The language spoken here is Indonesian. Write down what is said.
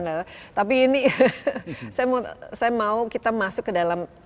mata bumi ini siapa sih sayastaggimana di